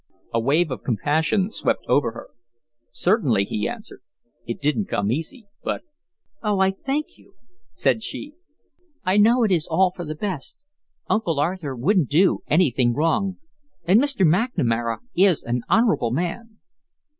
A wave of compassion swept over her. "Certainly," he answered. "It didn't come easy, but " "Oh, I thank you," said she. "I know it is all for the best. Uncle Arthur wouldn't do anything wrong, and Mr. McNamara is an honorable man."